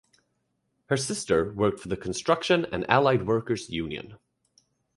Her sister worked for the Construction and Allied Workers Union.